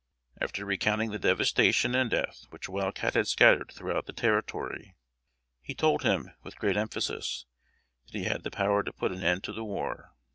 After recounting the devastation and death which Wild Cat had scattered throughout the Territory, he told him, with great emphasis, that he had the power to put an end to the war.